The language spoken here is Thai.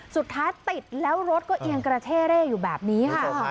สุดท้ายติดแล้วรถก็เอียงกระเช่เร่อยู่แบบนี้ค่ะ